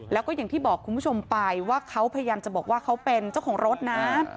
แล้วก็อย่างที่บอกคุณผู้ชมไปว่าเขาพยายามจะบอกว่าเขาเป็นเจ้าของรถนะ